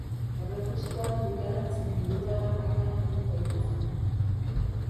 Erregistroak bigarren zein hirugarren mailan egin daitezke.